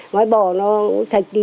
ngói bò nó thạch đi